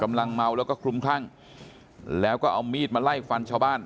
เมาแล้วก็คลุมคลั่งแล้วก็เอามีดมาไล่ฟันชาวบ้าน